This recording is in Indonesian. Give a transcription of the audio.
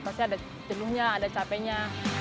pasti ada jenuhnya ada capeknya